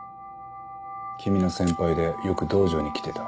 君の先輩でよく道場に来てた。